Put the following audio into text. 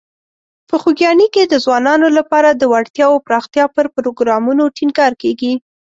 په خوږیاڼي کې د ځوانانو لپاره د وړتیاوو پراختیا پر پروګرامونو ټینګار کیږي.